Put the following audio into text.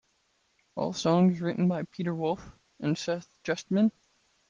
All songs written by Peter Wolf and Seth Justman.